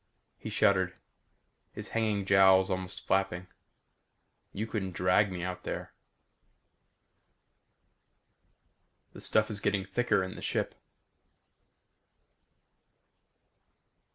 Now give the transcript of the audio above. He shuddered, his hanging jowls almost flapping. "You couldn't drag me out there." The stuff is getting thicker in the ship.